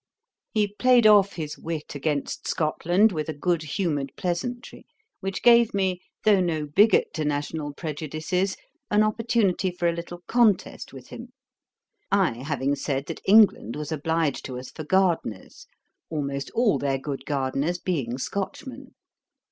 He played off his wit against Scotland with a good humoured pleasantry, which gave me, though no bigot to national prejudices, an opportunity for a little contest with him. I having said that England was obliged to us for gardeners, almost all their good gardeners being Scotchmen.